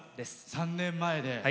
３年前で。